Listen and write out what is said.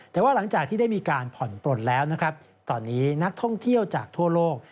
แต่ว่าหลังจากที่ได้มีการผ่อนปล่นแล้วนะครับตอนนี้นักท่องเที่ยวจากทั่วโลก